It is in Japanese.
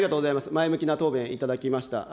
前向きな答弁いただきました。